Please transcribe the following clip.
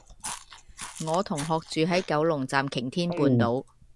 我同學住喺九龍站擎天半島